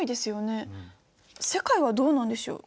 世界はどうなんでしょう？